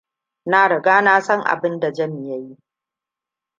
Na riga na san abin da Jami ya yi.